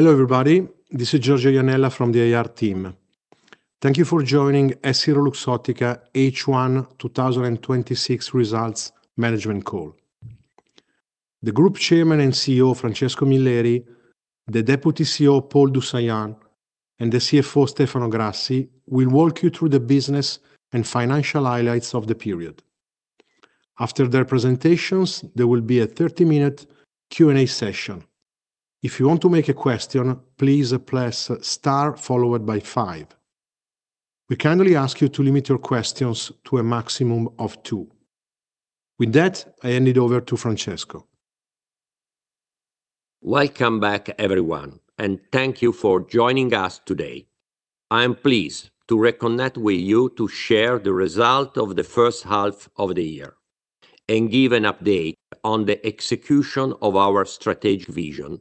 Hello everybody. This is Giorgio Iannella from the IR team. Thank you for joining EssilorLuxottica H1 2026 Results Management Call. The Group Chairman and CEO, Francesco Milleri, the Deputy CEO, Paul du Saillant, and the CFO, Stefano Grassi, will walk you through the business and financial highlights of the period. After their presentations, there will be a 30-minute Q&A session. If you want to make a question, please press star followed by five. We kindly ask you to limit your questions to a maximum of two. With that, I hand it over to Francesco. Welcome back everyone, thank you for joining us today. I am pleased to reconnect with you to share the result of the H1 of the year and give an update on the execution of our strategic vision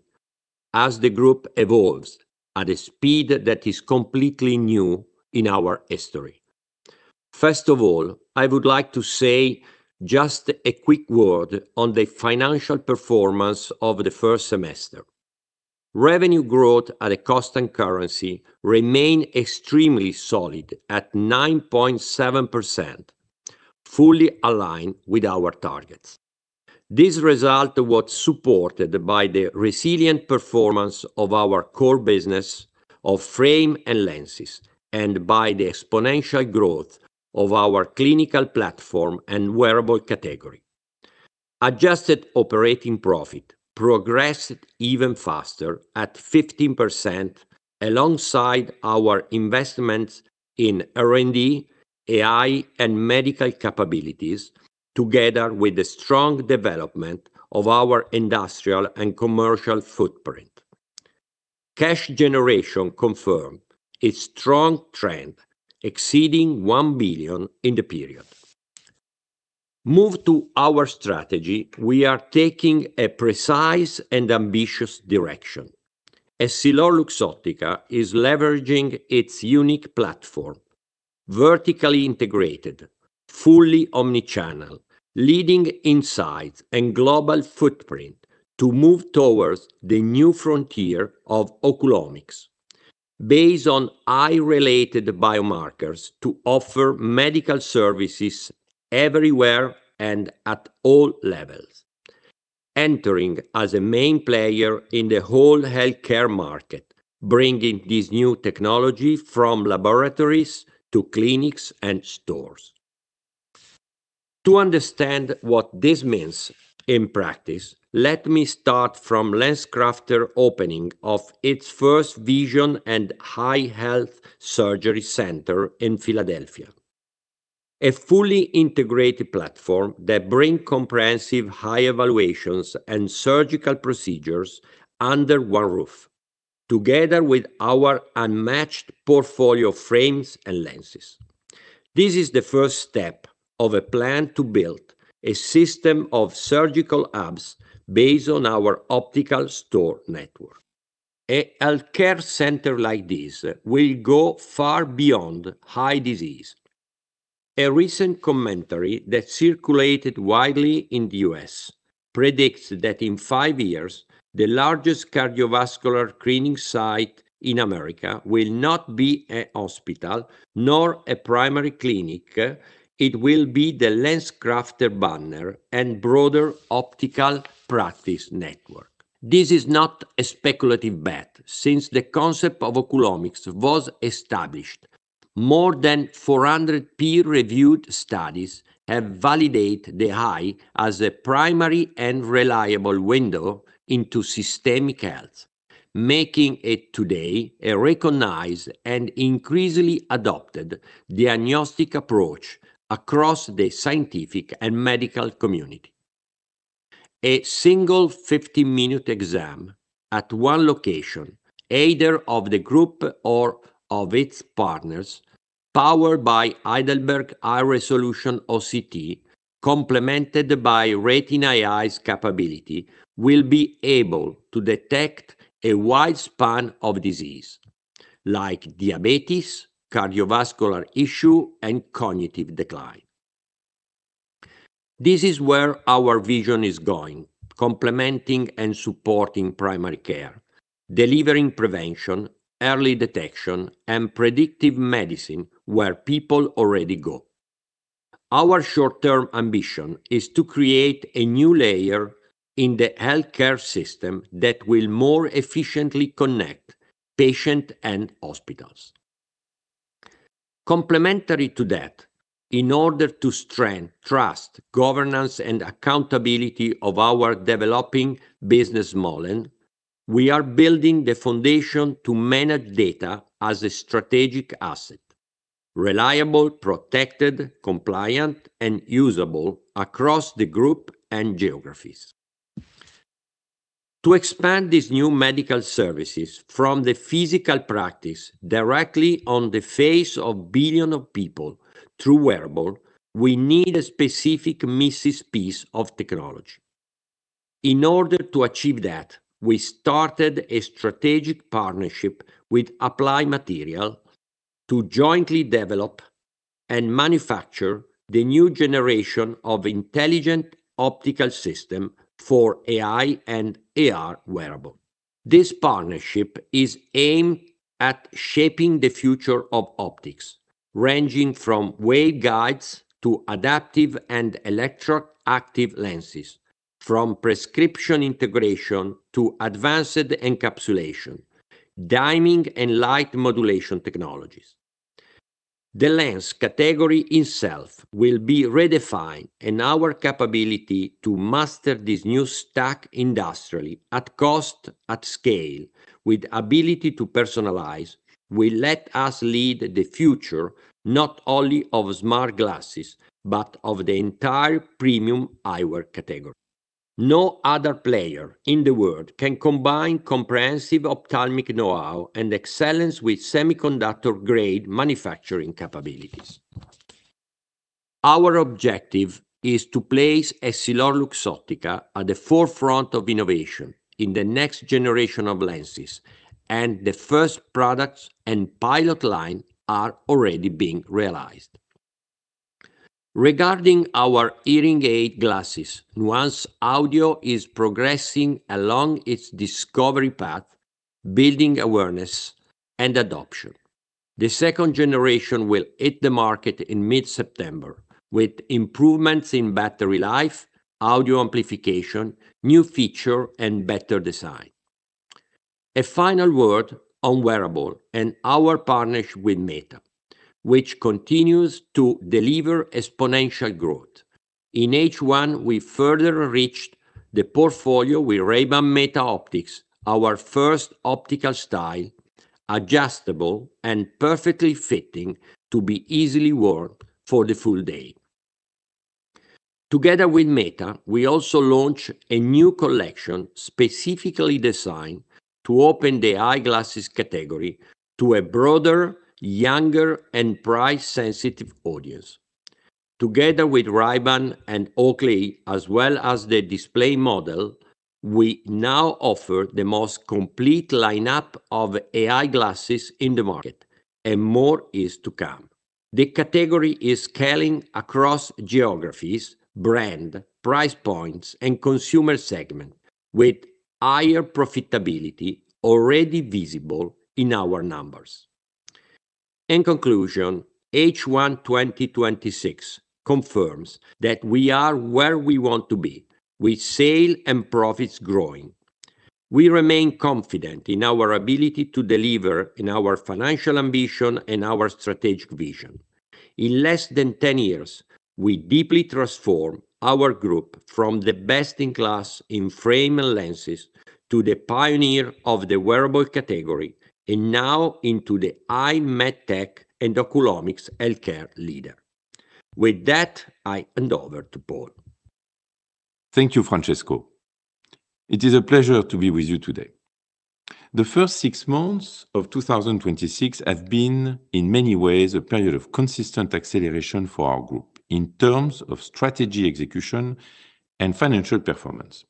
as the group evolves at a speed that is completely new in our history. First of all, I would like to say just a quick word on the financial performance of the first semester. Revenue growth at a constant currency remained extremely solid at 9.7%, fully aligned with our targets. This result was supported by the resilient performance of our core business of frame and lenses and by the exponential growth of our clinical platform and wearable category. Adjusted operating profit progressed even faster at 15% alongside our investments in R&D, AI, and medical capabilities, together with the strong development of our industrial and commercial footprint. Cash generation confirmed its strong trend, exceeding 1 billion in the period. Moving to our strategy, we are taking a precise and ambitious direction. EssilorLuxottica is leveraging its unique platform, vertically integrated, fully omnichannel, leading insights, and global footprint to move towards the new frontier of oculomics based on eye-related biomarkers to offer medical services everywhere and at all levels, entering as a main player in the whole healthcare market, bringing this new technology from laboratories to clinics and stores. To understand what this means in practice, let me start from LensCrafters opening of its first vision and eye health surgery center in Philadelphia, a fully integrated platform that brings comprehensive eye evaluations and surgical procedures under one roof, together with our unmatched portfolio frames and lenses. This is the first step of a plan to build a system of surgical hubs based on our optical store network. A healthcare center like this will go far beyond eye disease. A recent commentary that circulated widely in the U.S. predicts that in five years, the largest cardiovascular screening site in America will not be a hospital, nor a primary clinic. It will be the LensCrafters banner and broader optical practice network. This is not a speculative bet. Since the concept of oculomics was established, more than 400 peer-reviewed studies have validated the eye as a primary and reliable window into systemic health, making it today a recognized and increasingly adopted diagnostic approach across the scientific and medical community. A single 15-minute exam at one location, either of the group or of its partners, powered by Heidelberg Eye Resolution OCT, complemented by Retina.AI's capability, will be able to detect a wide span of disease, like diabetes, cardiovascular issue, and cognitive decline. This is where our vision is going, complementing and supporting primary care, delivering prevention, early detection, and predictive medicine where people already go. Our short-term ambition is to create a new layer in the healthcare system that will more efficiently connect patient and hospitals. Complementary to that, in order to strengthen trust, governance, and accountability of our developing business model, we are building the foundation to manage data as a strategic asset. Reliable, protected, compliant, and usable across the group and geographies. To expand these new medical services from the physical practice directly on the face of billions of people through wearable, we need a specific missing piece of technology. In order to achieve that, we started a strategic partnership with Applied Materials to jointly develop and manufacture the new generation of intelligent optical system for AI and AR wearable. This partnership is aimed at shaping the future of optics, ranging from waveguides to adaptive and electroactive lenses, from prescription integration to advanced encapsulation, dimming, and light modulation technologies. The lens category itself will be redefined, and our capability to master this new stack industrially at cost, at scale, with ability to personalize, will let us lead the future, not only of smart glasses, but of the entire premium eyewear category. No other player in the world can combine comprehensive ophthalmic know-how and excellence with semiconductor-grade manufacturing capabilities. Our objective is to place EssilorLuxottica at the forefront of innovation in the next generation of lenses, and the first products and pilot line are already being realized. Regarding our hearing aid glasses, Nuance Audio is progressing along its discovery path, building awareness and adoption. The second generation will hit the market in mid-September with improvements in battery life, audio amplification, new feature, and better design. A final word on wearable and our partnership with Meta, which continues to deliver exponential growth. In H1, we further reached the portfolio with Ray-Ban Meta optics, our first optical style, adjustable and perfectly fitting to be easily worn for the full day. Together with Meta, we also launched a new collection specifically designed to open the eyeglasses category to a broader, younger, and price-sensitive audience. Together with Ray-Ban and Oakley, as well as the display model, we now offer the most complete lineup of AI glasses in the market, and more is to come. The category is scaling across geographies, brand, price points, and consumer segment with higher profitability already visible in our numbers. In conclusion, H1 2026 confirms that we are where we want to be, with sale and profits growing. We remain confident in our ability to deliver in our financial ambition and our strategic vision. In less than 10 years, we deeply transformed our group from the best in class in frame and lenses to the pioneer of the wearable category, and now into the eye MedTech and oculomics healthcare leader. With that, I hand over to Paul. Thank you, Francesco. It is a pleasure to be with you today. The first six months of 2026 have been, in many ways, a period of consistent acceleration for our group in terms of strategy, execution, and financial performance.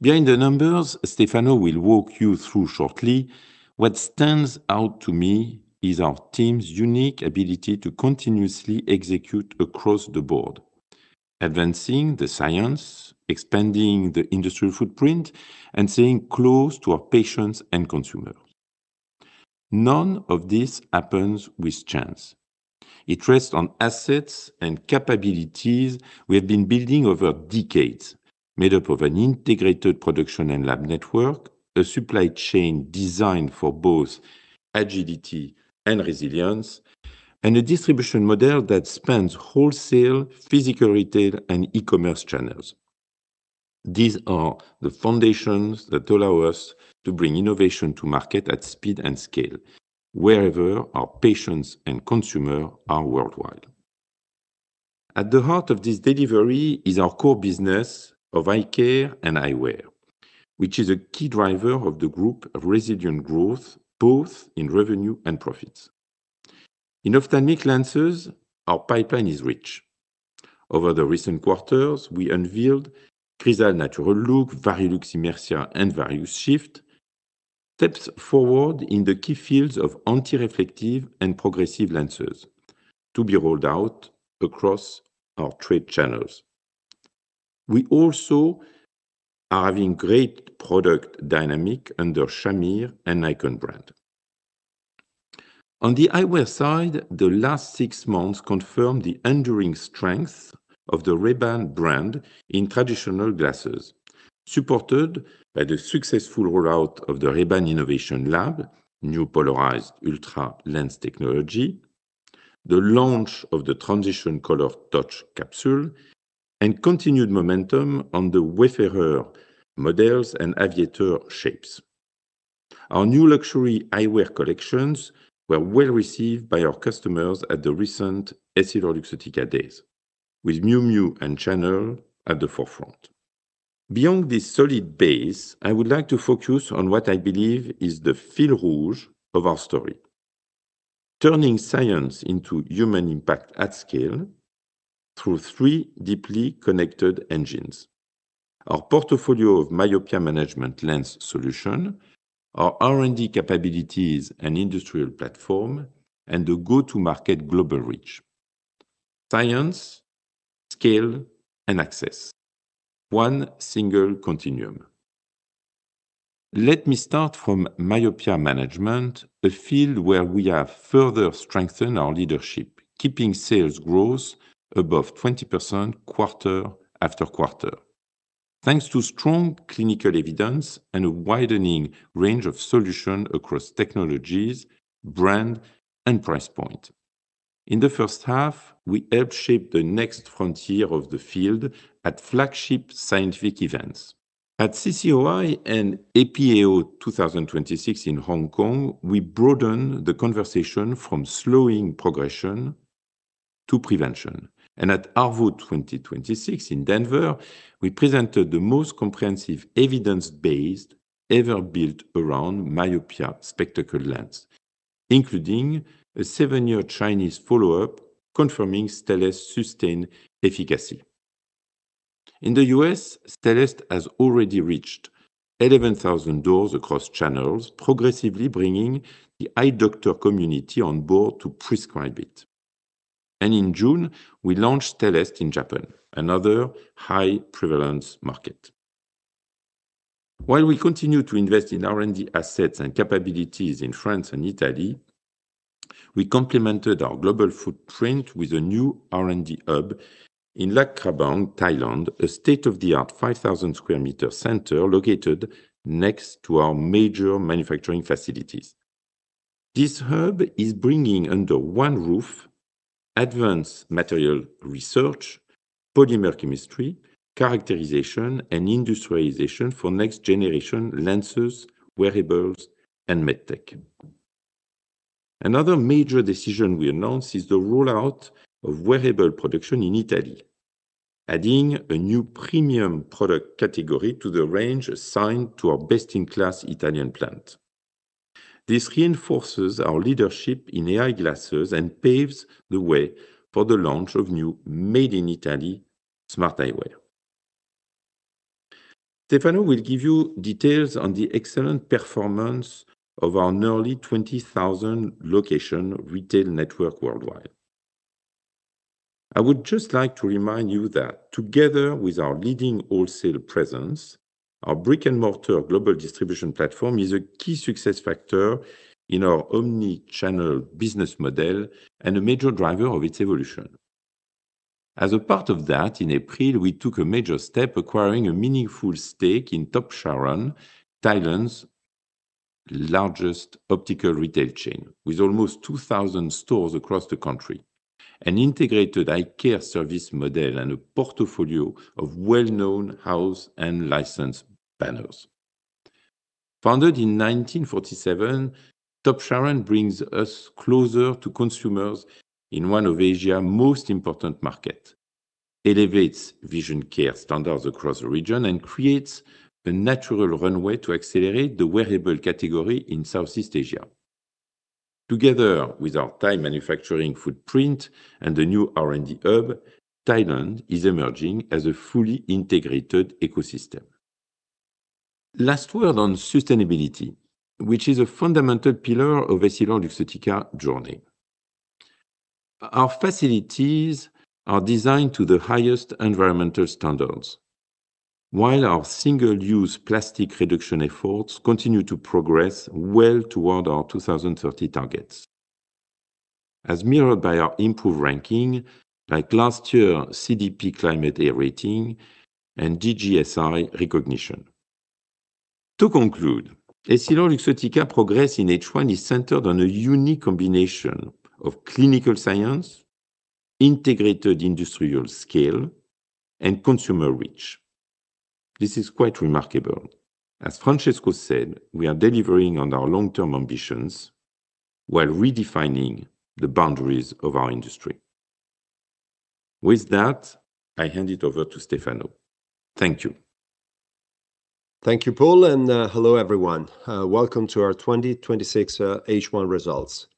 Behind the numbers, Stefano will walk you through shortly, what stands out to me is our team's unique ability to continuously execute across the board, advancing the science, expanding the industry footprint, and staying close to our patients and consumers. None of this happens with chance. It rests on assets and capabilities we have been building over decades, made up of an integrated production and lab network, a supply chain designed for both agility and resilience, and a distribution model that spans wholesale, physical retail, and e-commerce channels. These are the foundations that allow us to bring innovation to market at speed and scale wherever our patients and consumer are worldwide. At the heart of this delivery is our core business of eye care and eyewear, which is a key driver of the group resilient growth, both in revenue and profits. In ophthalmic lenses, our pipeline is rich. Over the recent quarters, we unveiled Crizal Natural Look, Varilux Immersia, and Varilux Shift, steps forward in the key fields of anti-reflective and progressive lenses to be rolled out across our trade channels. We also are having great product dynamic under Shamir and Nikon brand. On the eyewear side, the last six months confirmed the enduring strength of the Ray-Ban brand in traditional glasses, supported by the successful rollout of the Ray-Ban Innovation Lab, new polarized Ultra lens technology, the launch of the Transitions Color Touch capsule, and continued momentum on the Wayfarer models and aviator shapes. Our new luxury eyewear collections were well received by our customers at the recent EssilorLuxottica Days, with Miu Miu and Chanel at the forefront. Beyond this solid base, I would like to focus on what I believe is the fil rouge of our story, turning science into human impact at scale through three deeply connected engines, our portfolio of myopia management lens solution, our R&D capabilities and industrial platform, and the go-to-market global reach. Science, scale, and access. One single continuum. Let me start from myopia management, a field where we have further strengthened our leadership, keeping sales growth above 20% quarter after quarter, thanks to strong clinical evidence and a widening range of solution across technologies, brand, and price point. In the H1, we helped shape the next frontier of the field at flagship scientific events. At CCOI and APAO 2026 in Hong Kong, we broadened the conversation from slowing progression to prevention. At ARVO 2026 in Denver, we presented the most comprehensive evidence-based ever built around myopia spectacle lens, including a seven-year Chinese follow-up confirming Stellest sustained efficacy. In the U.S., Stellest has already reached 11,000 doors across channels, progressively bringing the eye doctor community on board to prescribe it. In June, we launched Stellest in Japan, another high prevalence market. While we continue to invest in R&D assets and capabilities in France and Italy, we complemented our global footprint with a new R&D hub in Lat Krabang, Thailand, a state-of-the-art 5,000 square meter center located next to our major manufacturing facilities. This hub is bringing under one roof advanced material research, polymer chemistry, characterization, and industrialization for next generation lenses, wearables, and MedTech. Another major decision we announced is the rollout of wearable production in Italy, adding a new premium product category to the range assigned to our best-in-class Italian plant. This reinforces our leadership in AI glasses and paves the way for the launch of new made-in-Italy smart eyewear. Stefano will give you details on the excellent performance of our nearly 20,000-location retail network worldwide. I would just like to remind you that together with our leading wholesale presence, our brick-and-mortar global distribution platform is a key success factor in our omni-channel business model and a major driver of its evolution. As a part of that, in April, we took a major step acquiring a meaningful stake in Top Charoen, Thailand's largest optical retail chain, with almost 2,000 stores across the country, an integrated eye care service model, and a portfolio of well-known house and licensed banners. Founded in 1947, Top Charoen brings us closer to consumers in one of Asia's most important market, elevates vision care standards across the region, and creates a natural runway to accelerate the wearable category in Southeast Asia. Together with our Thai manufacturing footprint and the new R&D hub, Thailand is emerging as a fully integrated ecosystem. Last word on sustainability, which is a fundamental pillar of EssilorLuxottica's journey. Our facilities are designed to the highest environmental standards. While our single-use plastic reduction efforts continue to progress well toward our 2030 targets, as mirrored by our improved ranking, like last year's CDP Climate A rating and DJSI recognition. To conclude, EssilorLuxottica's progress in H1 is centered on a unique combination of clinical science, integrated industrial scale, and consumer reach. This is quite remarkable. As Francesco said, we are delivering on our long-term ambitions while redefining the boundaries of our industry. With that, I hand it over to Stefano. Thank you. Thank you, Paul. Hello, everyone. Welcome to our 2026 H1 results.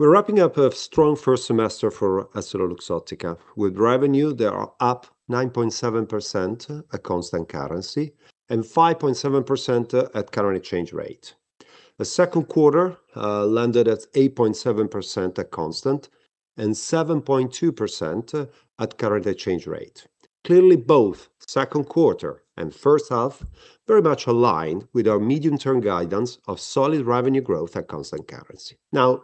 We're wrapping up a strong first semester for EssilorLuxottica with revenue that are up 9.7% at constant currency and 5.7% at current exchange rate. The second quarter landed at 8.7% at constant and 7.2% at current exchange rate. Clearly, both second quarter and H1 very much aligned with our medium-term guidance of solid revenue growth at constant currency. Now,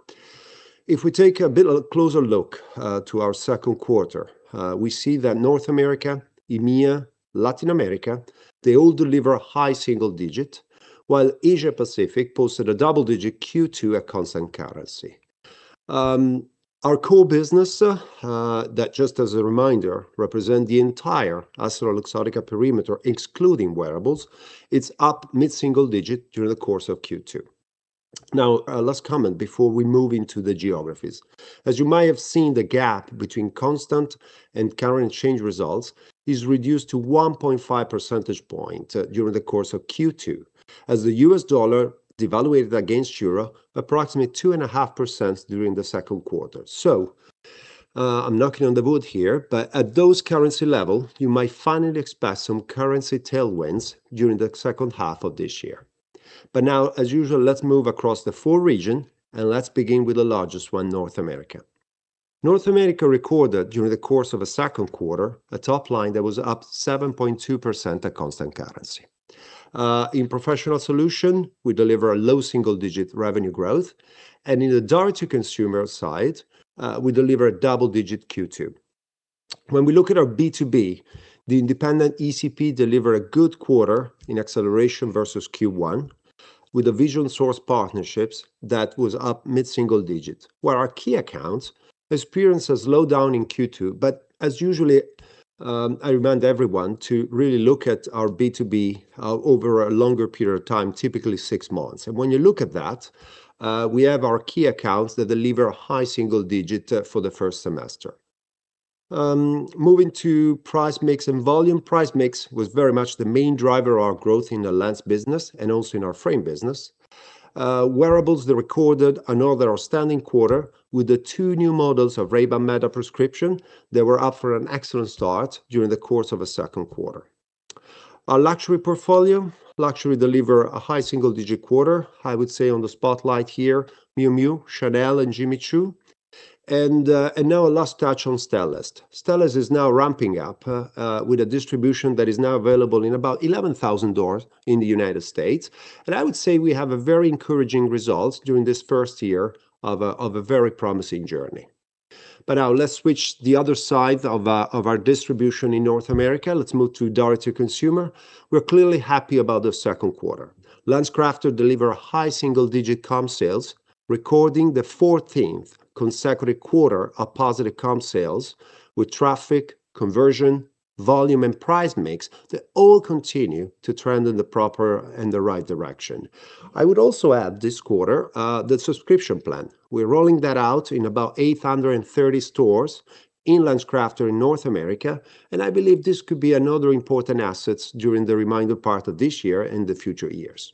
if we take a bit closer look to our second quarter, we see that North America, EMEA, Latin America, they all deliver high single-digit, while Asia Pacific posted a double-digit Q2 at constant currency. Our core business, that just as a reminder, represent the entire EssilorLuxottica perimeter, excluding wearables, it's up mid-single-digit during the course of Q2. Now, last comment before we move into the geographies. As you might have seen, the gap between constant and current exchange results is reduced to 1.5 percentage point during the course of Q2, as the US dollar devaluated against EUR approximately 2.5% during the second quarter. I am knocking on the wood here, but at those currency level, you might finally expect some currency tailwinds during the H2 of this year. Now, as usual, let's move across the four region, and let's begin with the largest one, North America. North America recorded, during the course of the second quarter, a top line that was up 7.2% at constant currency. In professional solution, we deliver a low single-digit revenue growth, and in the direct-to-consumer side, we deliver a double-digit Q2. When we look at our B2B, the independent ECP deliver a good quarter in acceleration versus Q1, with a Vision Source partnerships that was up mid-single-digit, where our key accounts experience a slowdown in Q2. As usually, I remind everyone to really look at our B2B over a longer period of time, typically six months. When you look at that, we have our key accounts that deliver a high single-digit for the first semester. Moving to price mix and volume. Price mix was very much the main driver of our growth in the lens business and also in our frame business. Wearables, they recorded another outstanding quarter with the two new models of Ray-Ban Meta prescription. They were up for an excellent start during the course of the second quarter. Our luxury portfolio, luxury deliver a high single-digit quarter. I would say on the spotlight here, Miu Miu, Chanel, and Jimmy Choo. Now our last touch on Stellest. Stellest is now ramping up with a distribution that is now available in about 11,000 doors in the U.S. I would say we have a very encouraging results during this first year of a very promising journey. Now let's switch the other side of our distribution in North America. Let's move to direct-to-consumer. We're clearly happy about the second quarter. LensCrafters deliver a high single-digit comp sales, recording the 14th consecutive quarter of positive comp sales, with traffic, conversion, volume, and price mix that all continue to trend in the proper and the right direction. I would also add this quarter, the subscription plan. We're rolling that out in about 830 stores in LensCrafters in North America, and I believe this could be another important asset during the remainder part of this year and the future years.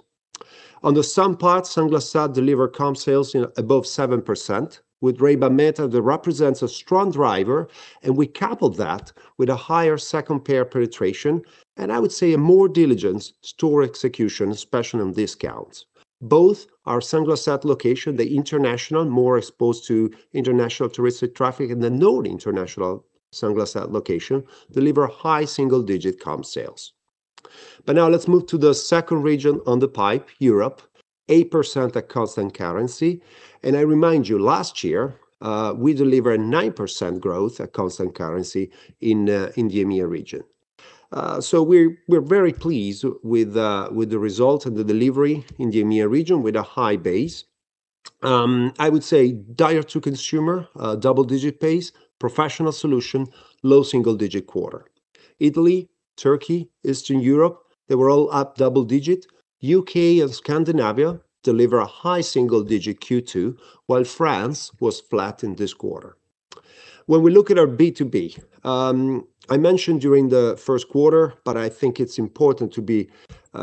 On the sun part, Sunglass Hut deliver comp sales above 7%, with Ray-Ban Meta that represents a strong driver, and we couple that with a higher second pair penetration, and I would say a more diligent store execution, especially on discounts. Both our Sunglass Hut location, the international, more exposed to international touristic traffic, and the non-international Sunglass Hut location, deliver high single-digit comp sales. Now let's move to the second region on the pipe, Europe, 8% at constant currency. I remind you, last year, we delivered 9% growth at constant currency in the EMEA region. We're very pleased with the results and the delivery in the EMEA region with a high base. I would say direct-to-consumer, double-digit pace. Professional solution, low single-digit quarter. Italy, Turkey, Eastern Europe, they were all up double digit. U.K. and Scandinavia delivered a high single-digit Q2, while France was flat in this quarter. We look at our B2B, I mentioned during the first quarter, but I think it's important to be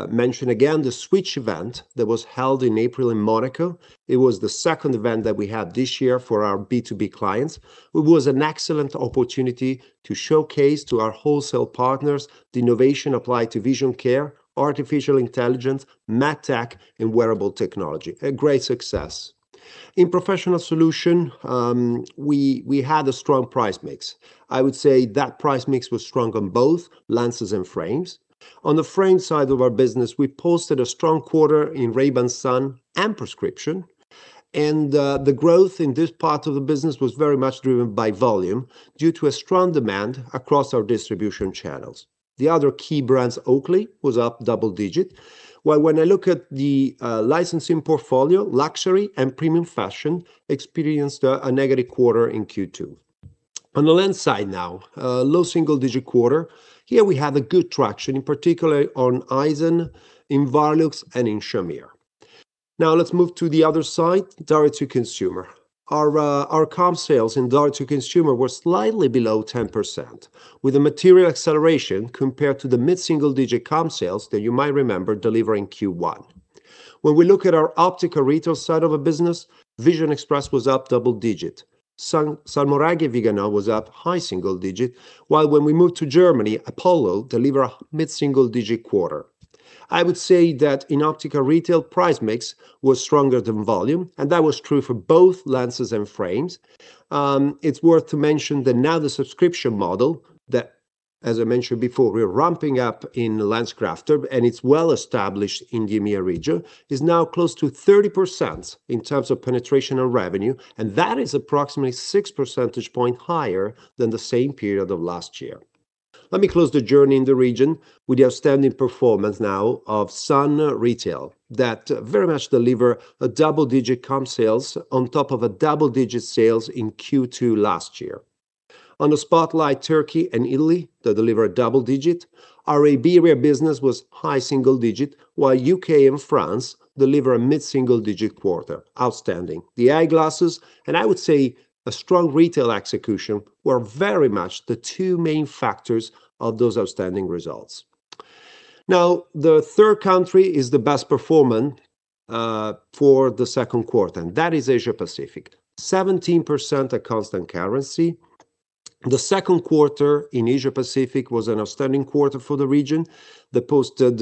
mentioned again, the SWITCH: Vision Innovation Summit that was held in April in Monaco. It was the second event that we had this year for our B2B clients. It was an excellent opportunity to showcase to our wholesale partners the innovation applied to vision care, artificial intelligence, MedTech, and wearable technology. A great success. In professional solution, we had a strong price mix. I would say that price mix was strong on both lenses and frames. On the frame side of our business, we posted a strong quarter in Ray-Ban sun and prescription, and the growth in this part of the business was very much driven by volume due to a strong demand across our distribution channels. The other key brands, Oakley, was up double digit, while when I look at the licensing portfolio, luxury and premium fashion experienced a negative quarter in Q2. On the lens side now, a low single-digit quarter. Here we have a good traction, in particular on IC! Berlin, in Varilux, and in Shamir. Let's move to the other side, direct-to-consumer. Our comp sales in direct-to-consumer were slightly below 10%, with a material acceleration compared to the mid-single-digit comp sales that you might remember delivered in Q1. We look at our optical retail side of the business, Vision Express was up double digit. Salmoiraghi & Viganò was up high single-digit, while when we move to Germany, Apollo-Optik delivered a mid-single-digit quarter. I would say that in optical retail, price mix was stronger than volume, and that was true for both lenses and frames. It's worth to mention that now the subscription model that, as I mentioned before, we are ramping up in LensCrafters, and it's well-established in the EMEA region, is now close to 30% in terms of penetration of revenue, and that is approximately 6 percentage points higher than the same period of last year. Let me close the journey in the region with the outstanding performance now of sun retail, that very much delivered a double-digit comp sales on top of a double-digit sales in Q2 last year. On the spotlight, Turkey and Italy, they delivered a double digit. Arabia business was high single-digit, while U.K. and France delivered a mid-single-digit quarter. Outstanding. The eyeglasses, and I would say a strong retail execution, were very much the two main factors of those outstanding results. The third country is the best performer for the second quarter, and that is Asia Pacific. 17% at constant currency. The second quarter in Asia Pacific was an outstanding quarter for the region, that posted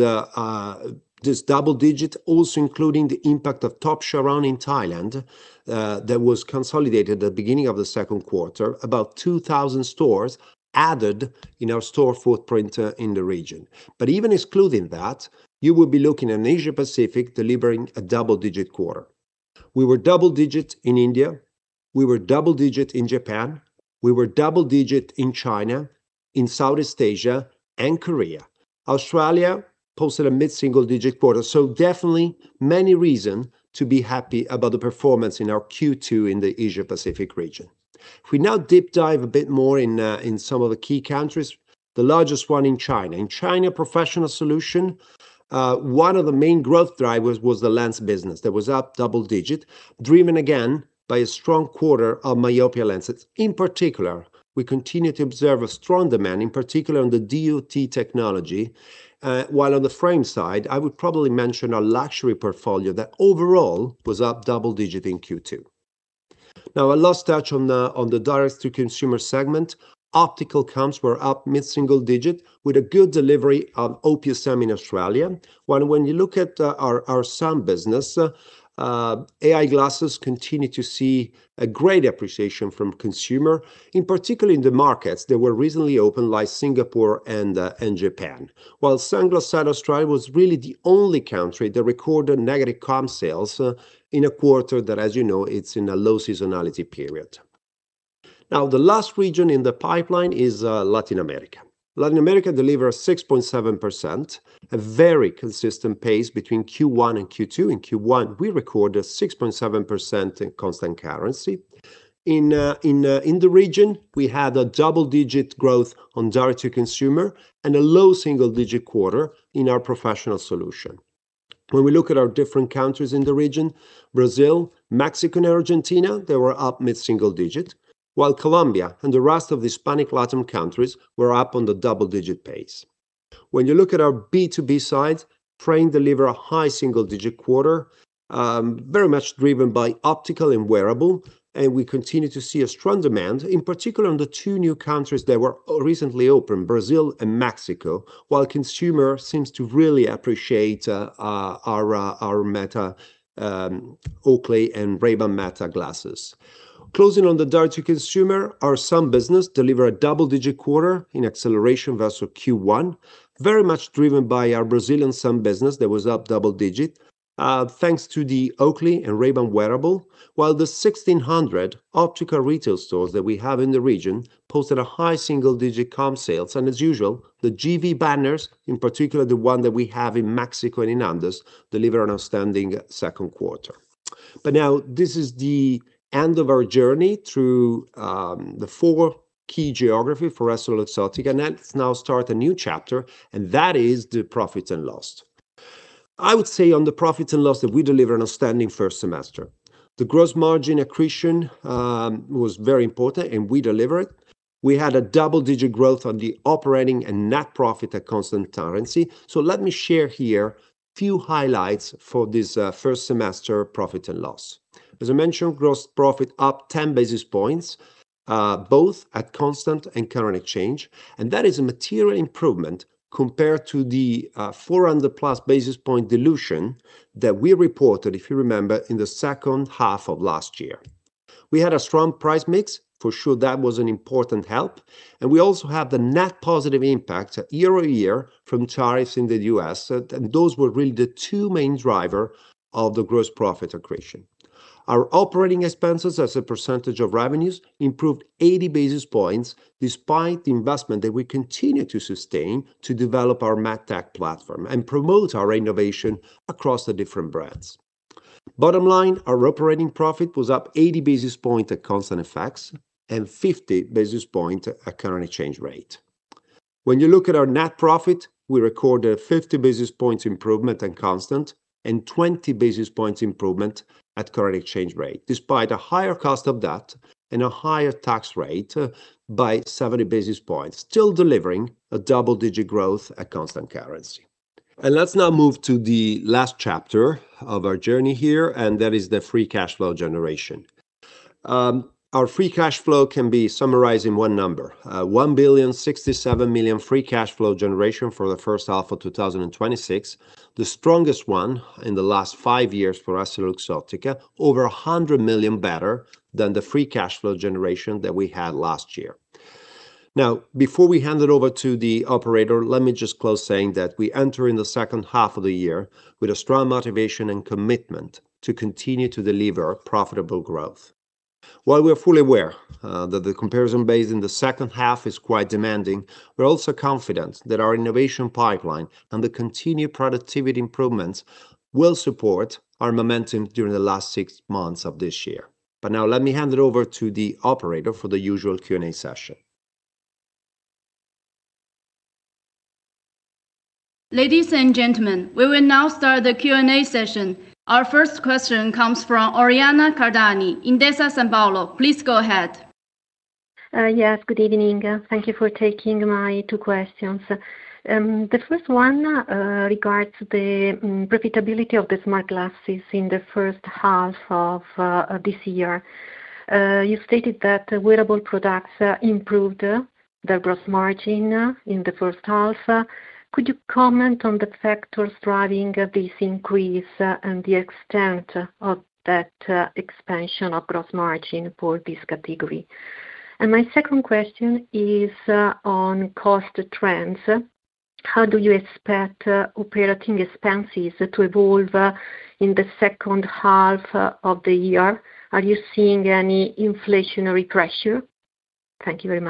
this double digit, also including the impact of Top Charoen around in Thailand, that was consolidated at the beginning of the second quarter. About 2,000 stores added in our store footprint in the region. Even excluding that, you would be looking at Asia Pacific delivering a double-digit quarter. We were double digit in India. We were double digit in Japan. We were double digit in China, in Southeast Asia, and Korea. Australia posted a mid-single-digit quarter, definitely many reasons to be happy about the performance in our Q2 in the Asia Pacific region. Let's now deep-dive a bit more in some of the key countries, the largest one in China. In China Professional Solutions, one of the main growth drivers was the lens business that was up double-digit, driven again by a strong quarter of myopia lenses. We continue to observe a strong demand, in particular on the DIMS technology. On the frame side, I would probably mention our luxury portfolio that overall was up double-digit in Q2. A last touch on the direct-to-consumer segment. Optical comps were up mid-single-digit with a good delivery on OPSM in Australia. When you look at our sun business, AI glasses continue to see a great appreciation from consumers, in particular in the markets that were recently opened, like Singapore and Japan. Sunglass Hut Australia was really the only country that recorded negative comp sales in a quarter that, as you know, it's in a low seasonality period. The last region in the pipeline is Latin America. Latin America delivered 6.7%, a very consistent pace between Q1 and Q2. In Q1, we recorded 6.7% in constant currency. In the region, we had a double-digit growth on direct-to-consumer, and a low-single-digit quarter in our Professional Solutions. When we look at our different countries in the region, Brazil, Mexico, and Argentina, they were up mid-single-digit, Colombia and the rest of the Hispanic LATAM countries were up on the double-digit pace. When you look at our B2B side, frames delivered a high-single-digit quarter, very much driven by optical and wearables. We continue to see a strong demand, in particular on the two new countries that were recently opened, Brazil and Mexico. Consumers seem to really appreciate our Oakley Meta and Ray-Ban Meta glasses. Closing on the direct-to-consumer, our sun business delivered a double-digit quarter in acceleration versus Q1, very much driven by our Brazilian sun business that was up double-digit, thanks to the Oakley and Ray-Ban wearables. The 1,600 optical retail stores that we have in the region posted a high-single-digit comp sales, as usual, the GV banners, in particular the one that we have in Mexico and in Andes, delivered an outstanding second quarter. This is the end of our journey through the four key geographies for EssilorLuxottica. Let's now start a new chapter, that is the profit and loss. I would say on the profit and loss that we delivered an outstanding first semester. The gross margin accretion was very important, we delivered. We had a double-digit growth on the operating and net profit at constant currency. Let me share here few highlights for this first semester profit and loss. As I mentioned, gross profit up 10 basis points, both at constant and current exchange, that is a material improvement compared to the 400+ basis points dilution that we reported, if you remember, in the H2 of last year. We had a strong price mix. That was an important help. We also have the net positive impact year-over-year from tariffs in the U.S., those were really the two main drivers of the gross profit accretion. Our operating expenses as a percentage of revenues improved 80 basis points despite the investment that we continue to sustain to develop our MedTech platform and promote our innovation across the different brands. Bottom line, our operating profit was up 80 basis points at constant FX, and 50 basis points at current exchange rate. When you look at our net profit, we recorded a 50 basis points improvement at constant, and 20 basis points improvement at current exchange rate, despite a higher cost of debt and a higher tax rate by 70 basis points, still delivering a double-digit growth at constant currency. Let's now move to the last chapter of our journey here, and that is the free cash flow generation. Our free cash flow can be summarized in one number, 1.067 billion free cash flow generation for the H1 of 2026. The strongest one in the last five years for EssilorLuxottica, over 100 million better than the free cash flow generation that we had last year. Before we hand it over to the operator, let me just close saying that we enter in the H2 of the year with a strong motivation and commitment to continue to deliver profitable growth. While we are fully aware that the comparison base in the H2 is quite demanding, we're also confident that our innovation pipeline and the continued productivity improvements will support our momentum during the last six months of this year. Now let me hand it over to the operator for the usual Q&A session. Ladies and gentlemen, we will now start the Q&A session. Our first question comes from Oriana Cardani, Intesa Sanpaolo. Please go ahead. Yes. Good evening. Thank you for taking my two questions. The first one regards the profitability of the smart glasses in the H1 of this year. You stated that wearable products improved their gross margin in the H1. Could you comment on the factors driving this increase and the extent of that expansion of gross margin for this category? My second question is on cost trends. How do you expect operating expenses to evolve in the H2 of the year? Are you seeing any inflationary pressure? Thank you very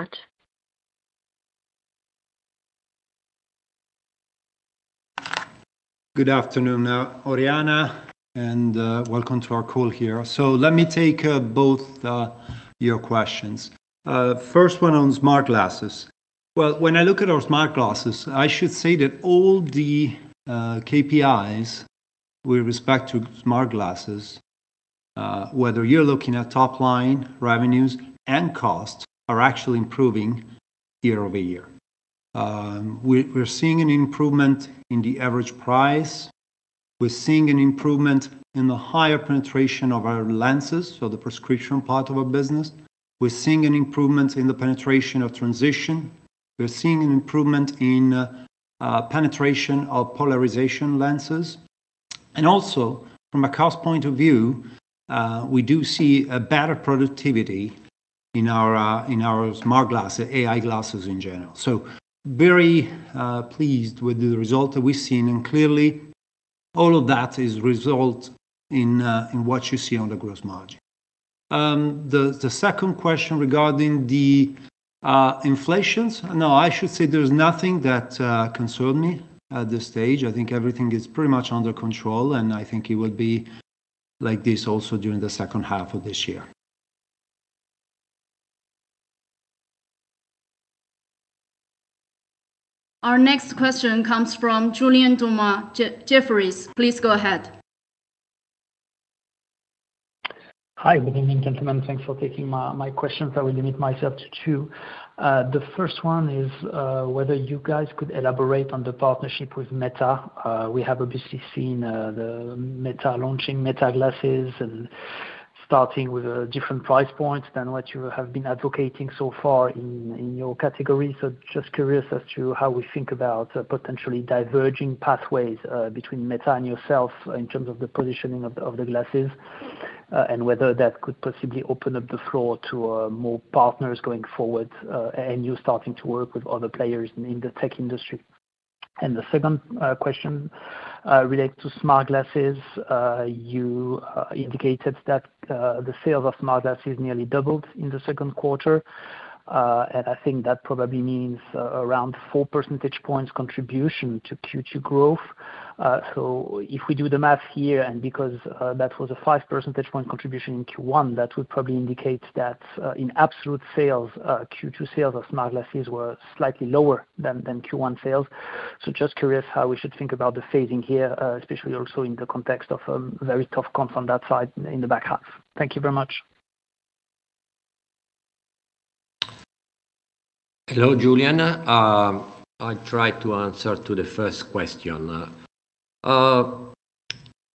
much. Good afternoon, Oriana, and welcome to our call here. Let me take both your questions. First one on smart glasses. Well, when I look at our smart glasses, I should say that all the KPIs with respect to smart glasses, whether you're looking at top-line revenues and costs, are actually improving year-over-year. We're seeing an improvement in the average price. We're seeing an improvement in the higher penetration of our lenses, so the prescription part of our business. We're seeing an improvement in the penetration of Transitions. We're seeing an improvement in penetration of polarization lenses. Also, from a cost point of view, we do see a better productivity in our smart glasses, AI glasses in general. Very pleased with the result that we've seen. Clearly, all of that is result in what you see on the gross margin. The second question regarding the inflations. No, I should say there's nothing that concerns me at this stage. I think everything is pretty much under control, and I think it would be like this also during the H2 of this year. Our next question comes from Julien Dormois, Jefferies. Please go ahead. Hi. Good evening, gentlemen. Thanks for taking my questions. I will limit myself to two. The first one is whether you guys could elaborate on the partnership with Meta. We have obviously seen Meta launching Meta glasses and starting with different price points than what you have been advocating so far in your category. Just curious as to how we think about potentially diverging pathways between Meta and yourself in terms of the positioning of the glasses and whether that could possibly open up the floor to more partners going forward, and you starting to work with other players in the tech industry. The second question relates to smart glasses. You indicated that the sales of smart glasses nearly doubled in the second quarter. I think that probably means around 4 percentage points contribution to Q2 growth. If we do the math here, because that was a 5 percentage point contribution in Q1, that would probably indicate that in absolute sales, Q2 sales of smart glasses were slightly lower than Q1 sales. Just curious how we should think about the phasing here, especially also in the context of a very tough comp on that side in the back half. Thank you very much. Hello, Julien. I try to answer to the first question.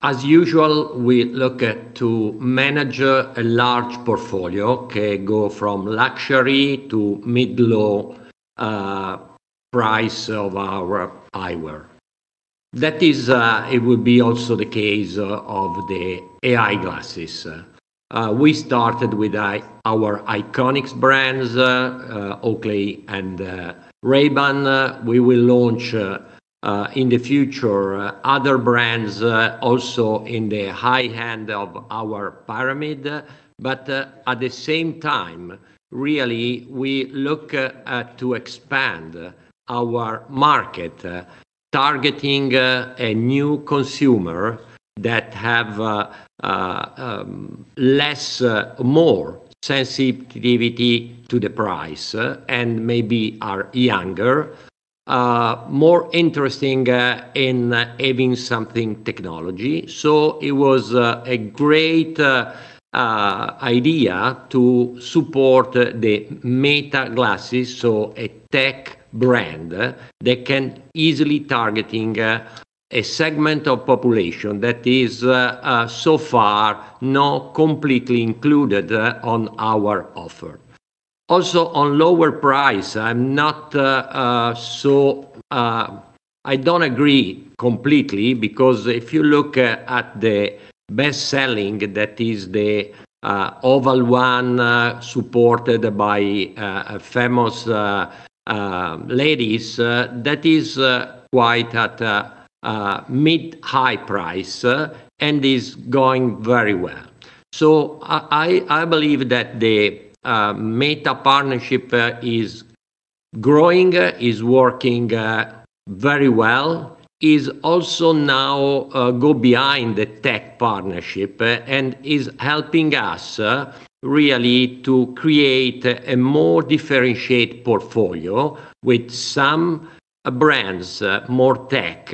As usual, we look to manage a large portfolio, go from luxury to mid, low price of our eyewear. It would be also the case of the AI glasses. We started with our iconic brands, Oakley and Ray-Ban. We will launch, in the future, other brands also in the high end of our pyramid. At the same time, really, we look to expand our market, targeting a new consumer that have more sensitivity to the price and maybe are younger, more interested in having something technology. It was a great idea to support the Meta glasses, a tech brand that can easily target a segment of population that is so far not completely included on our offer. Also, on lower price, I don't agree completely, because if you look at the best selling, that is the oval one supported by famous ladies, that is quite at a mid high price and is going very well. I believe that the Meta partnership is growing, is working very well, is also now going beyond the tech partnership and is helping us really to create a more differentiated portfolio with some brands, more tech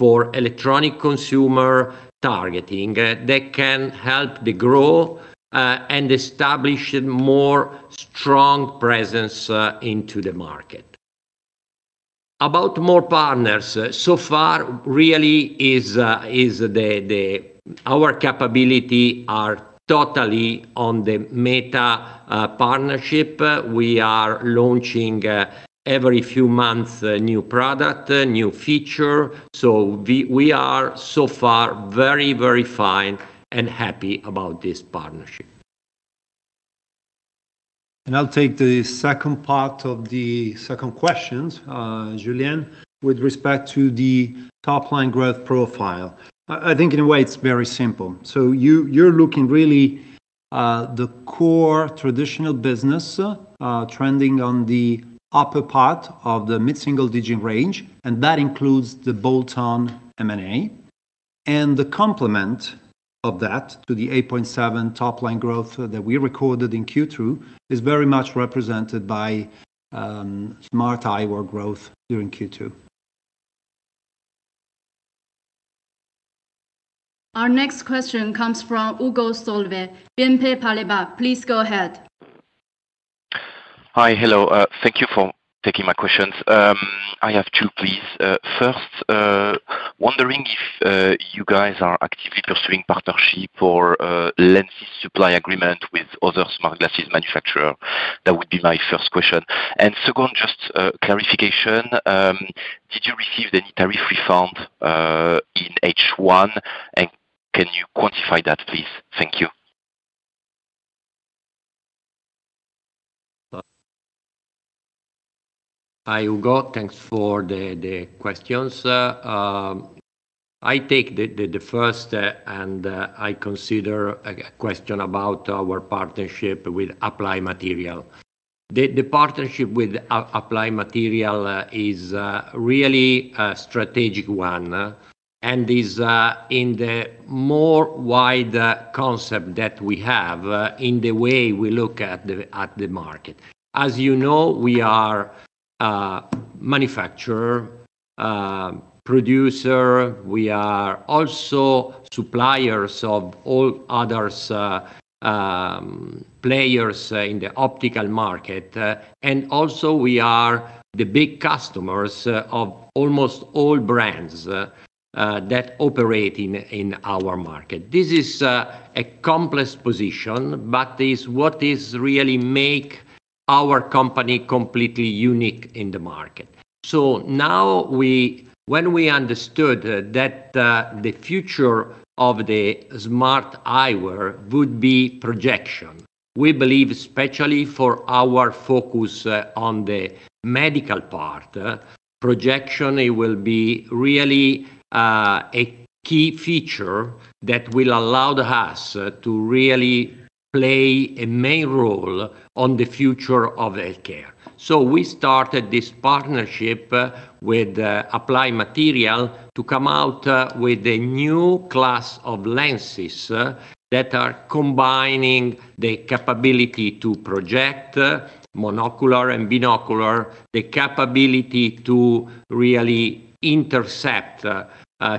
for electronic consumer targeting that can help the growth and establish a more strong presence into the market. About more partners, so far, really our capability are totally on the Meta partnership. We are launching every few months a new product, new feature. We are so far very fine and happy about this partnership. I'll take the second part of the second question, Julien, with respect to the top-line growth profile. I think in a way, it's very simple. You're looking really at the core traditional business trending on the upper part of the mid-single-digit range, and that includes the bolt-on M&A. The complement of that to the 8.7 top-line growth that we recorded in Q2 is very much represented by smart eyewear growth during Q2. Our next question comes from Hugo Solvet, BNP Paribas. Please go ahead. Hi. Hello. Thank you for taking my questions. I have two, please. First, wondering if you guys are actively pursuing partnership or a lengthy supply agreement with other smart glasses manufacturer. That would be my first question. Second, just a clarification. Did you receive any tariff refund in H1, and can you quantify that, please? Thank you. Hi, Hugo. Thanks for the questions. I take the first. I consider a question about our partnership with Applied Materials. The partnership with Applied Materials is really a strategic one and is in the more wider concept that we have in the way we look at the market. As you know, we are a manufacturer, producer. We are also suppliers of all other players in the optical market. Also, we are the big customers of almost all brands that operate in our market. This is a complex position, but is what is really make our company completely unique in the market. Now when we understood that the future of the smart eyewear would be projection, we believe, especially for our focus on the medical part, projection will be really a key feature that will allow us to really play a main role on the future of healthcare. We started this partnership with Applied Materials to come out with a new class of lenses that are combining the capability to project monocular and binocular, the capability to really intercept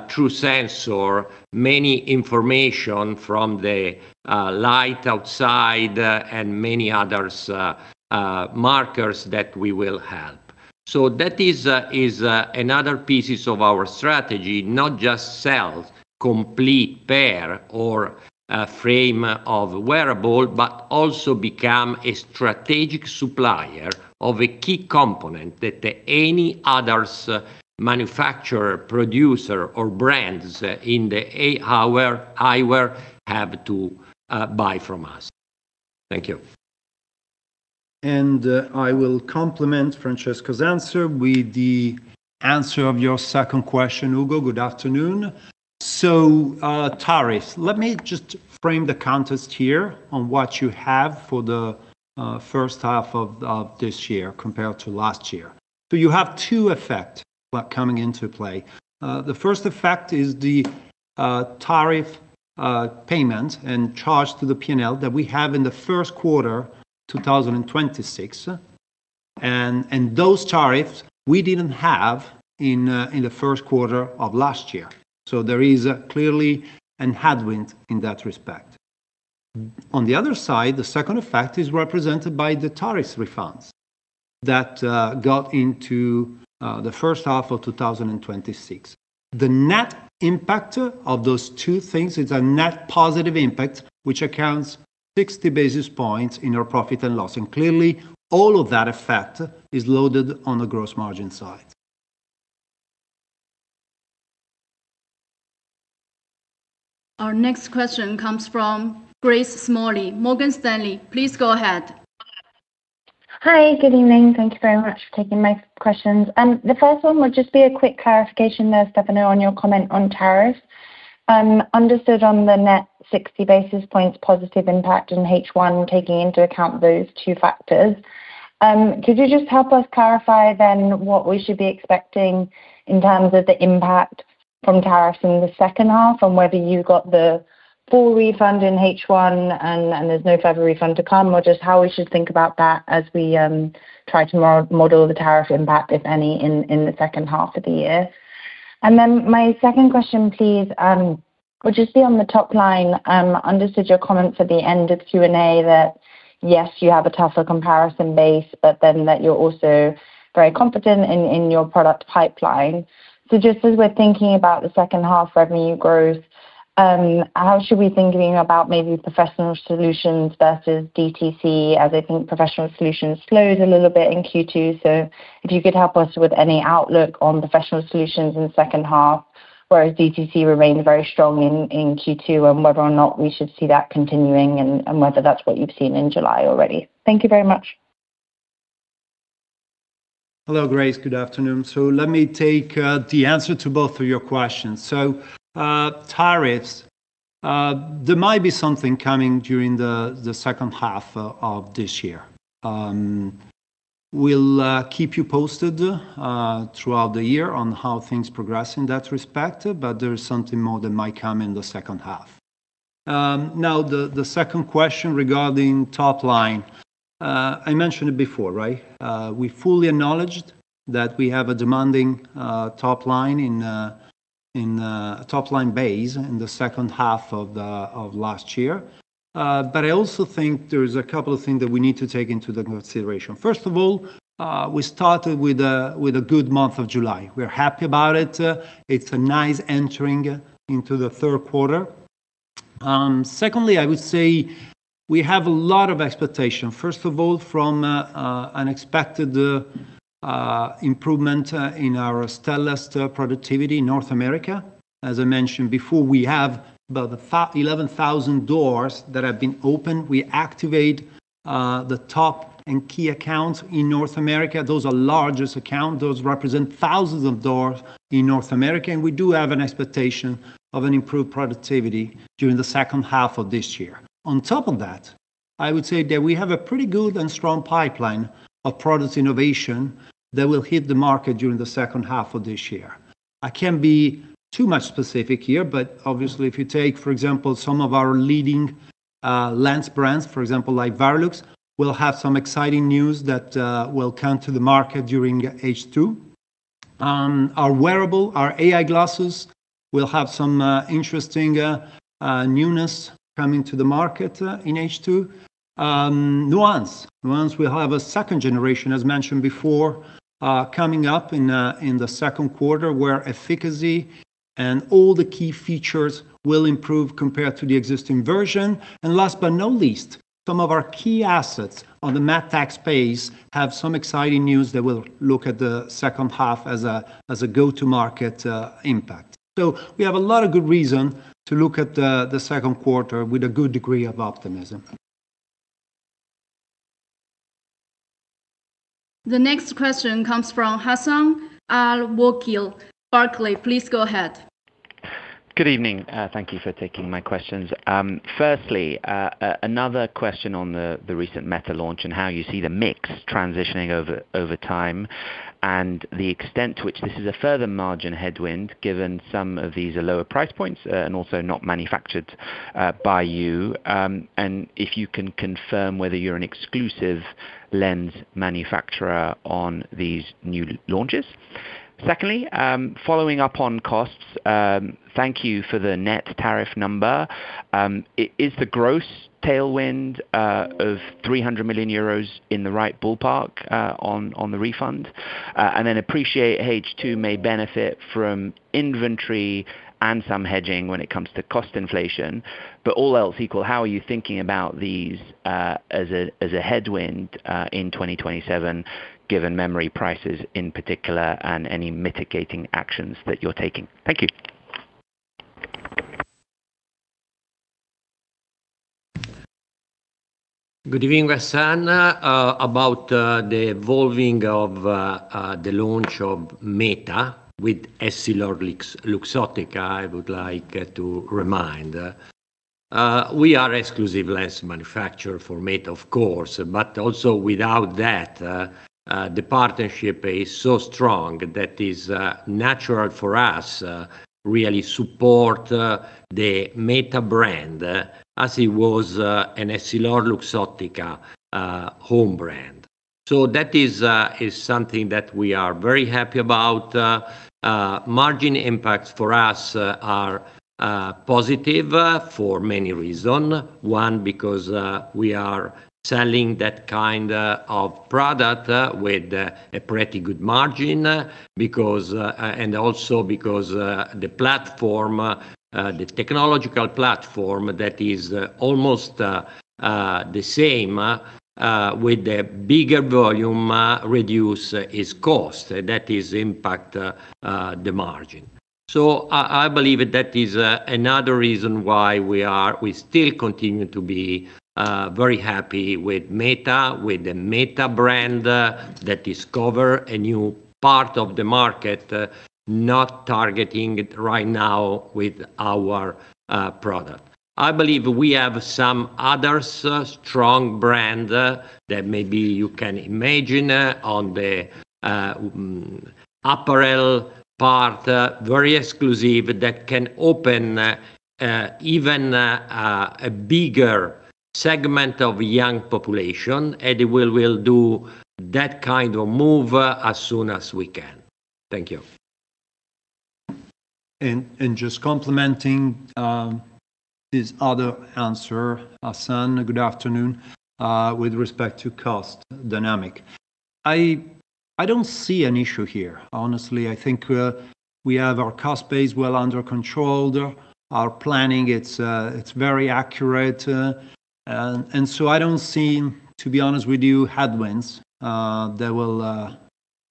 through sensor, many information from the light outside and many others markers that we will help. That is another pieces of our strategy, not just sell complete pair or a frame of wearable, but also become a strategic supplier of a key component that any others manufacturer, producer, or brands in the eyewear have to buy from us. Thank you. I will complement Francesco’s answer with the answer of your second question, Hugo. Good afternoon. Tariffs. Let me just frame the context here on what you have for the H1 of this year compared to last year. You have two effect coming into play. The first effect is the tariff payment and charge to the P&L that we have in the first quarter 2026. Those tariffs we didn’t have in the first quarter of last year. There is clearly an headwind in that respect. On the other side, the second effect is represented by the tariffs refunds that got into the H1 of 2026. The net impact of those two things is a net positive impact, which accounts 60 basis points in our profit and loss. Clearly, all of that effect is loaded on the gross margin side. Our next question comes from Grace Smalley, Morgan Stanley. Please go ahead. Hi. Good evening. Thank you very much for taking my questions. The first one will just be a quick clarification there, Stefano, on your comment on tariffs. Understood on the net 60 basis points positive impact in H1, taking into account those two factors. Could you just help us clarify then what we should be expecting in terms of the impact from tariffs in the H2, and whether you got the full refund in H1, and there’s no further refund to come? Or just how we should think about that as we try to model the tariff impact, if any, in the H2 of the year? My second question, please, would you see on the top line, understood your comment at the end of Q&A that, yes, you have a tougher comparison base, but then that you’re also very confident in your product pipeline. Just as we’re thinking about the H2 revenue growth, how should we be thinking about maybe professional solutions versus DTC, as I think professional solutions slowed a little bit in Q2. If you could help us with any outlook on professional solutions in the H2, whereas DTC remained very strong in Q2, and whether or not we should see that continuing and whether that’s what you’ve seen in July already. Thank you very much. Hello, Grace. Good afternoon. Let me take the answer to both of your questions. Tariffs, there might be something coming during the second half of this year. We'll keep you posted throughout the year on how things progress in that respect. There is something more that might come in the H2. The second question regarding top line, I mentioned it before, right? We fully acknowledged that we have a demanding top line base in the H2 of last year. I also think there is a couple of things that we need to take into consideration. First of all, we started with a good month of July. We're happy about it. It's a nice entering into the third quarter. Secondly, I would say we have a lot of expectation. First of all, from unexpected improvement in our Stellest productivity in North America. As I mentioned before, we have about 11,000 doors that have been opened. We activate the top and key accounts in North America. Those are largest accounts. Those represent thousands of doors in North America, and we do have an expectation of an improved productivity during the H2 of this year. On top of that, I would say that we have a pretty good and strong pipeline of product innovation that will hit the market during the H2 of this year. I can't be too much specific here. If you take, for example, some of our leading lens brands, for example, like Varilux, we'll have some exciting news that will come to the market during H2. Our wearable, our AI glasses will have some interesting newness coming to the market in H2. Nuance Audio. Nuance Audio will have a second generation, as mentioned before, coming up in the second quarter, where efficacy and all the key features will improve compared to the existing version. Last but not least, some of our key assets on the Meta base have some exciting news that will look at the H2 as a go-to-market impact. We have a lot of good reason to look at the second quarter with a good degree of optimism. The next question comes from Hassan Al-Wakeel, Barclays. Please go ahead. Good evening. Thank you for taking my questions. Firstly, another question on the recent Meta launch and how you see the mix transitioning over time and the extent to which this is a further margin headwind, given some of these are lower price points and also not manufactured by you. If you can confirm whether you're an exclusive lens manufacturer on these new launches. Secondly, following up on costs, thank you for the net tariff number. Is the gross tailwind of 300 million euros in the right ballpark on the refund? Appreciate H2 may benefit from inventory and some hedging when it comes to cost inflation. All else equal, how are you thinking about these as a headwind in 2027, given memory prices in particular, and any mitigating actions that you're taking? Thank you. Good evening, Hassan. About the evolving of the launch of Meta with EssilorLuxottica, I would like to remind, we are exclusive lens manufacturer for Meta, of course, but also without that, the partnership is so strong that is natural for us, really support the Meta brand as it was an EssilorLuxottica home brand. That is something that we are very happy about. Margin impacts for us are positive for many reason. One, because we are selling that kind of product with a pretty good margin, and also because the technological platform that is almost the same with the bigger volume reduce its cost. That is impact the margin. I believe that is another reason why we still continue to be very happy with Meta, with the Meta brand, that discover a new part of the market, not targeting it right now with our product. I believe we have some other strong brand that maybe you can imagine on the apparel part, very exclusive, that can open even a bigger segment of young population, and we'll do that kind of move as soon as we can. Thank you. Just complementing this other answer, Hassan, good afternoon, with respect to cost dynamic. I don't see an issue here. Honestly, I think we have our cost base well under control. Our planning, it's very accurate. I don't see, to be honest with you, headwinds that will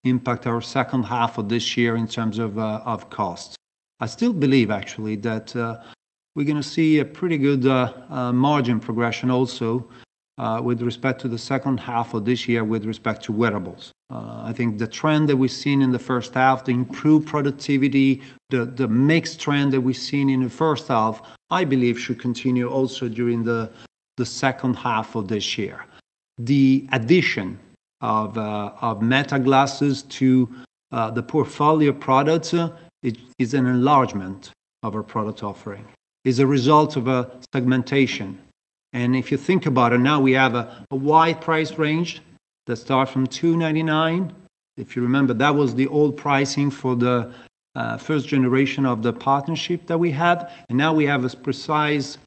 impact our H2 of this year in terms of cost. I still believe, actually, that we're going to see a pretty good margin progression also with respect to the H2 of this year with respect to wearables. I think the trend that we've seen in the H1, the improved productivity, the mix trend that we've seen in the H1, I believe should continue also during the H2 of this year. The addition of Meta glasses to the portfolio products is an enlargement of our product offering. It's a result of a segmentation. If you think about it, now we have a wide price range that starts from 299. If you remember, that was the old pricing for the first generation of the partnership that we had, and now we have this precise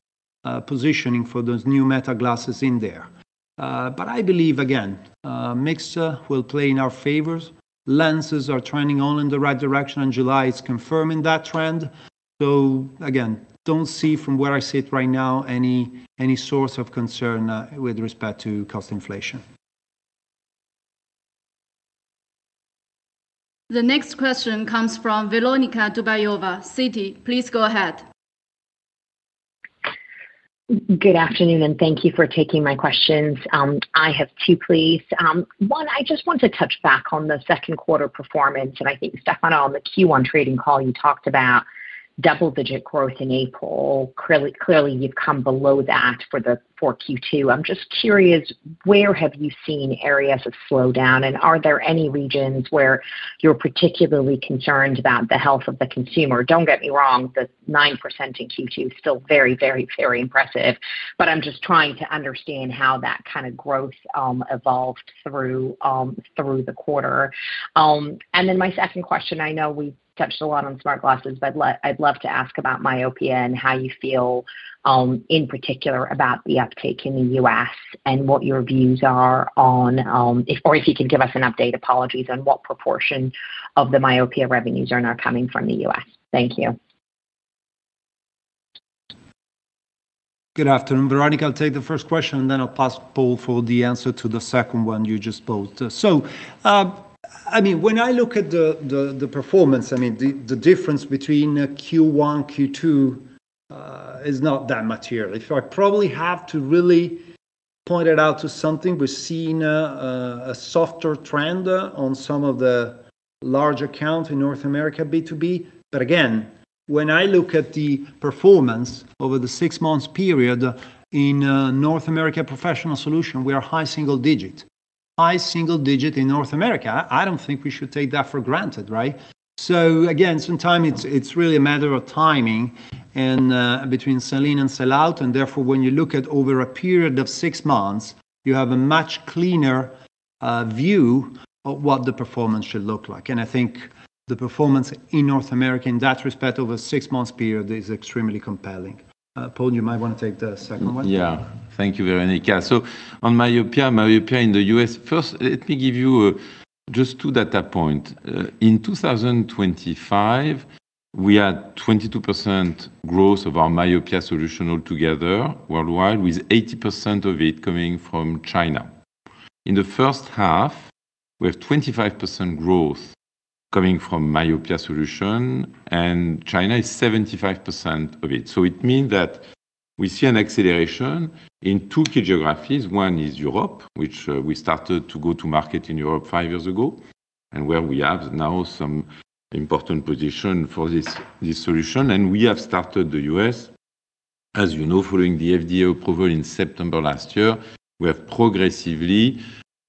positioning for those new Meta glasses in there. I believe, again, mix will play in our favor. Lenses are trending all in the right direction, and July is confirming that trend. Again, don't see from where I sit right now any source of concern with respect to cost inflation. The next question comes from Veronika Dubajova, Citi. Please go ahead. Good afternoon, thank you for taking my questions. I have two, please. One, I just want to touch back on the second quarter performance. I think, Stefano, on the Q1 trading call, you talked about double-digit growth in April. Clearly, you've come below that for Q2. I'm just curious, where have you seen areas of slowdown, and are there any regions where you're particularly concerned about the health of the consumer? Don't get me wrong, the 9% in Q2 is still very impressive. I'm just trying to understand how that kind of growth evolved through the quarter. My second question, I know we've touched a lot on smart glasses. I'd love to ask about myopia and how you feel, in particular about the uptake in the U.S. and what your views are on, or if you could give us an update, apologies, on what proportion of the myopia revenues are now coming from the U.S. Thank you. Good afternoon, Veronika. I'll take the first question. I'll pass Paul for the answer to the second one you just posed. When I look at the performance, the difference between Q1, Q2 is not that material. If I probably have to really point it out to something, we're seeing a softer trend on some of the large accounts in North America B2B. Again, when I look at the performance over the six months period in North America professional solution, we are high single digit. High single digit in North America. I don't think we should take that for granted, right? Again, sometimes it's really a matter of timing and between sell-in and sell-out, and therefore, when you look at over a period of six months, you have a much cleaner view of what the performance should look like. I think the performance in North America in that respect over a six-month period is extremely compelling. Paul, you might want to take the second one. Thank you, Veronika. On myopia in the U.S., first, let me give you just two data points. In 2025, we had 22% growth of our myopia solution altogether worldwide, with 80% of it coming from China. In the H1, we have 25% growth coming from myopia solution, and China is 75% of it. It means that we see an acceleration in two key geographies. One is Europe, which we started to go to market in Europe five years ago, and where we have now some important position for this solution. We have started the U.S., as you know, following the FDA approval in September last year. We have progressively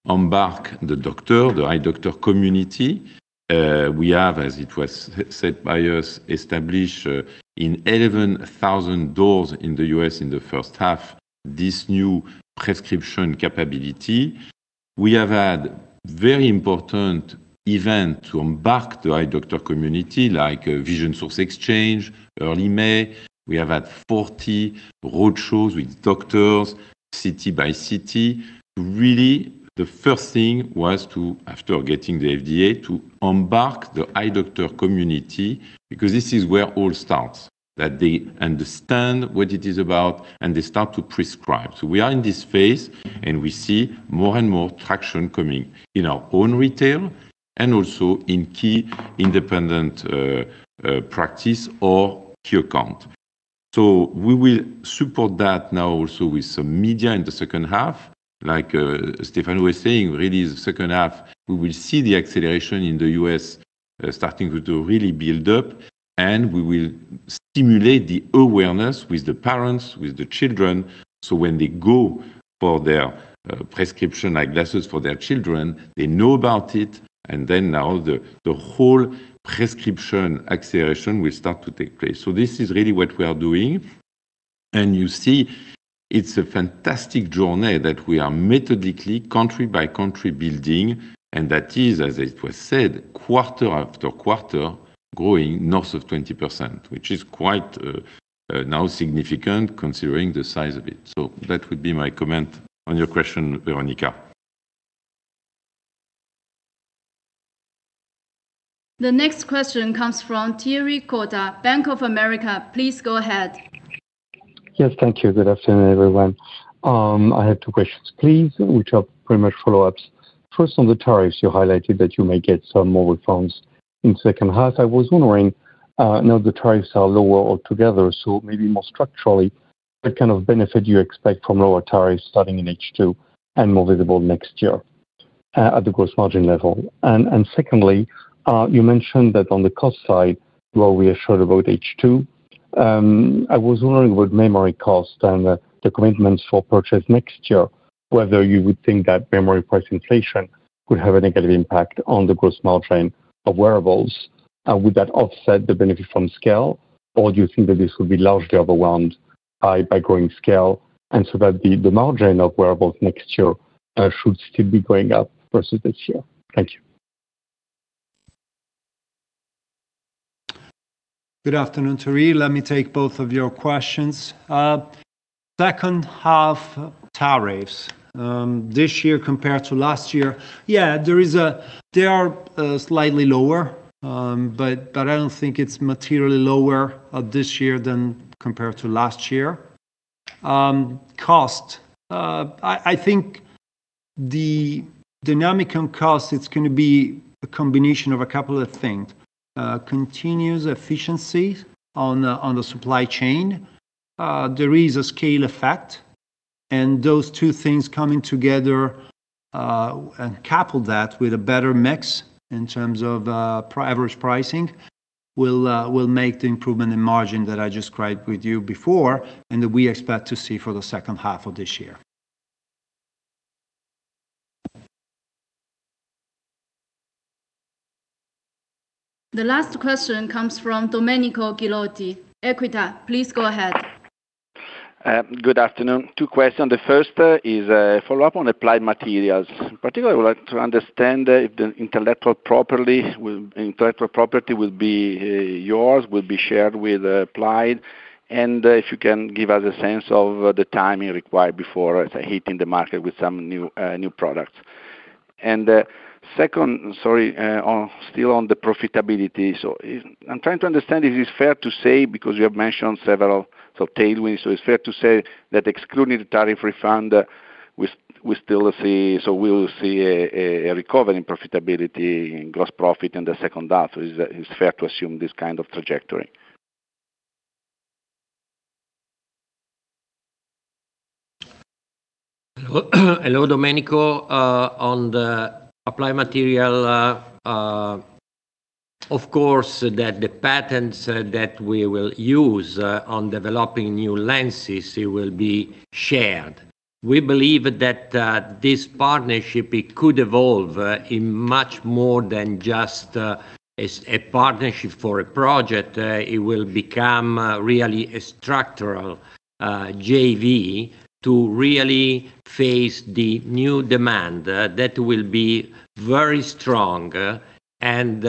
embarked the doctor, the eye doctor community. We have, as it was said by us, established in 11,000 doors in the U.S. in the H1, this new prescription capability. We have had very important event to embark the eye doctor community, like The Vision Source Exchange, early May. We have had 40 road shows with doctors city by city. Really, the first thing was to, after getting the FDA, to embark the eye doctor community, because this is where all starts, that they understand what it is about, and they start to prescribe. We are in this phase, and we see more and more traction coming in our own retail and also in key independent practice or key account. We will support that now also with some media in the H2. Like Stefano was saying, really the H2, we will see the acceleration in the U.S. starting to really build up, and we will stimulate the awareness with the parents, with the children. When they go for their prescription eyeglasses for their children, they know about it, now the whole prescription acceleration will start to take place. This is really what we are doing. You see it's a fantastic journey that we are methodically, country by country, building, and that is, as it was said, quarter after quarter, growing north of 20%, which is quite significant considering the size of it. That would be my comment on your question, Veronika. The next question comes from Thierry Cota, Bank of America. Please go ahead. Yes, thank you. Good afternoon, everyone. I have two questions, please, which are pretty much follow-ups. First, on the tariffs, you highlighted that you may get some more refunds in the H2. I was wondering, now the tariffs are lower altogether, so maybe more structurally, what kind of benefit do you expect from lower tariffs starting in H2 and more visible next year at the gross margin level? Secondly, you mentioned that on the cost side, while reassured about H2, I was wondering with memory cost and the commitments for purchase next year, whether you would think that memory price inflation could have a negative impact on the gross margin of wearables. Would that offset the benefit from scale, or do you think that this would be largely overwhelmed by growing scale, and so that the margin of wearables next year should still be going up versus this year? Thank you. Good afternoon, Thierry. Let me take both of your questions. H2 tariffs. This year compared to last year, they are slightly lower, but I don't think it's materially lower this year than compared to last year. Cost. The dynamic on cost, it's going to be a combination of a couple of things. Continuous efficiency on the supply chain. There is a scale effect. Those two things coming together, and couple that with a better mix in terms of average pricing, will make the improvement in margin that I described with you before and that we expect to see for the H2 of this year. The last question comes from Domenico Ghilotti, Equita. Please go ahead. Good afternoon. Two questions. The first is a follow-up on Applied Materials. Particularly, I would like to understand if the intellectual property will be yours, will be shared with Applied, if you can give us a sense of the timing required before hitting the market with some new products. Second, sorry, still on the profitability. I'm trying to understand if it's fair to say, because you have mentioned several tailwinds, it's fair to say that excluding the tariff refund, we will see a recovery in profitability, in gross profit in the H2. Is it fair to assume this kind of trajectory? Hello, Domenico. On the Applied Materials, of course, the patents that we will use on developing new lenses, it will be shared. We believe that this partnership, it could evolve in much more than just a partnership for a project. It will become really a structural JV to really face the new demand that will be very strong and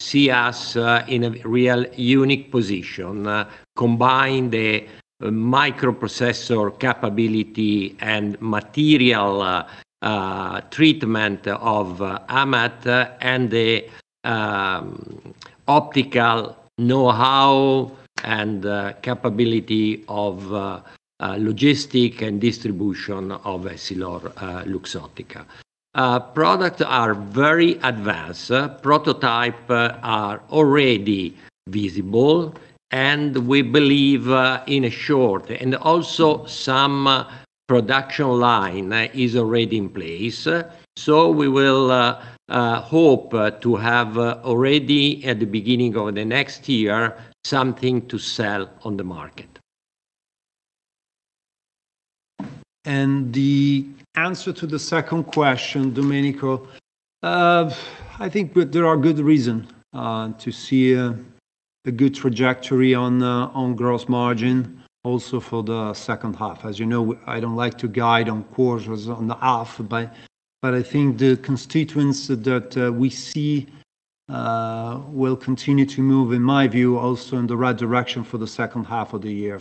see us in a real unique position. Combine the microprocessor capability and material treatment of AMAT and the optical knowhow and capability of logistics and distribution of EssilorLuxottica. Products are very advanced. Prototypes are already visible. Some production line is already in place. We will hope to have already, at the beginning of the next year, something to sell on the market. The answer to the second question, Domenico, I think there are good reason to see a good trajectory on gross margin also for the H2. You know, I don't like to guide on quarters, on the half, but I think the constituents that we see will continue to move, in my view, also in the right direction for the H2 of the year.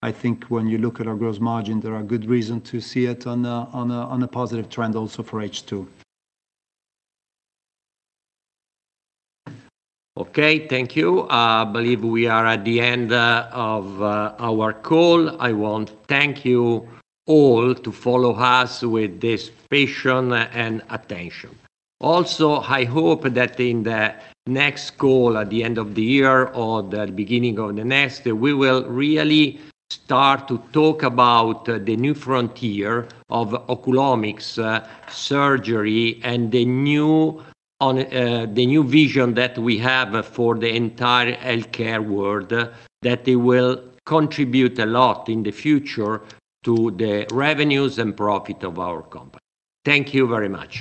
I think when you look at our gross margin, there are good reason to see it on a positive trend also for H2. Okay, thank you. I believe we are at the end of our call. I want to thank you all to follow us with this passion and attention. I hope that in the next call at the end of the year or the beginning of the next, we will really start to talk about the new frontier of oculomics surgery and the new vision that we have for the entire healthcare world, that it will contribute a lot in the future to the revenues and profit of our company. Thank you very much.